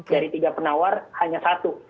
dari tiga penawar hanya satu